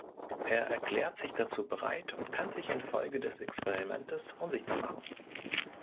Er erklärt sich dazu bereit und kann sich infolge des Experimentes unsichtbar machen.